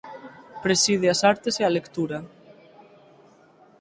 Preside as artes e a lectura.